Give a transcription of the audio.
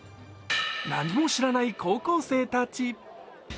何も知らない高校生たち。